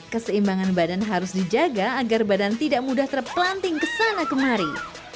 keseimbangan badan harus dijaga agar badan tidak mudah terpelanting kesana kemari